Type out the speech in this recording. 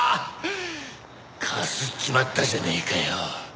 かすっちまったじゃねえかよ。